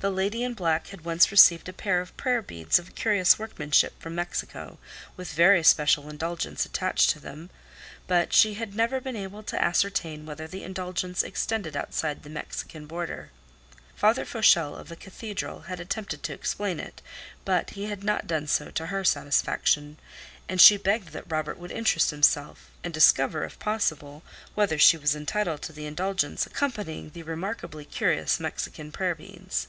The lady in black had once received a pair of prayer beads of curious workmanship from Mexico, with very special indulgence attached to them, but she had never been able to ascertain whether the indulgence extended outside the Mexican border. Father Fochel of the Cathedral had attempted to explain it; but he had not done so to her satisfaction. And she begged that Robert would interest himself, and discover, if possible, whether she was entitled to the indulgence accompanying the remarkably curious Mexican prayer beads.